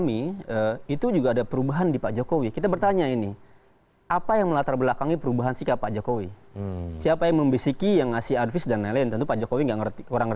itu pertanyaan penting